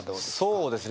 そうですね